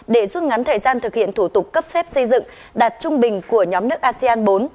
để rút ngắn thời gian thực hiện thủ tục cấp phép xây dựng đạt trung bình của nhóm nước asean bốn